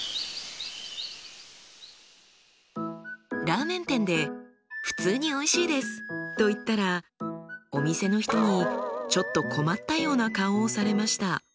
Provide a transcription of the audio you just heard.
ラーメン店で「普通においしいです」と言ったらお店の人にちょっと困ったような顔をされました。